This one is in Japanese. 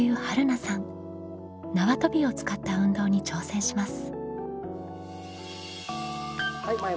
縄跳びを使った運動に挑戦します。